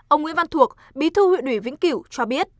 ông nguyễn văn thuộc bí thư huyện vĩnh cửu cho biết